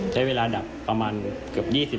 ใช้เวลาดับประมาณเกือบ๒๐นาทีครับ